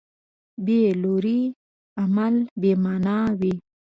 بېلوري عمل بېمانا وي.